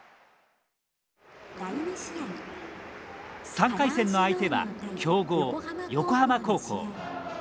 ３回戦の相手は強豪横浜高校。